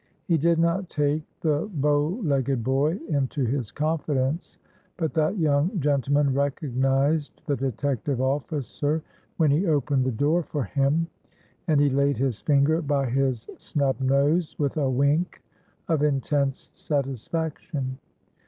He did not take the bow legged boy into his confidence, but that young gentleman recognized the detective officer when he opened the door for him; and he laid his finger by his snub nose, with a wink of intense satisfaction.